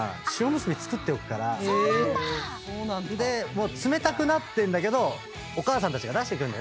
もう冷たくなってんだけどお母さんたちが出してくんだよ。